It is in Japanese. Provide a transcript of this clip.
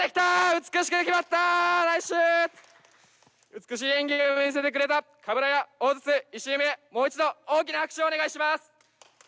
美しい演技を見せてくれた鏑砲弩へもう一度大きな拍手をお願いします。